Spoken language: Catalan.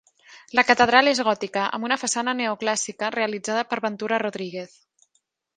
La catedral és gòtica, amb una façana neoclàssica realitzada per Ventura Rodríguez.